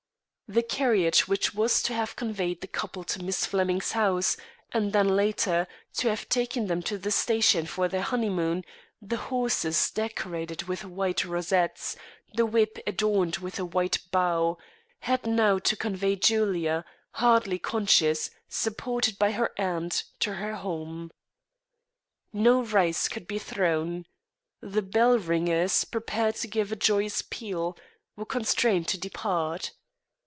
The carriage which was to have conveyed the couple to Miss Flemming's house, and then, later, to have taken them to the station for their honeymoon, the horses decorated with white rosettes, the whip adorned with a white bow, had now to convey Julia, hardly conscious, supported by her aunt, to her home. No rice could be thrown. The bell ringers, prepared to give a joyous peal, were constrained to depart.